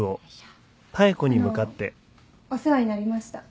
あのお世話になりました。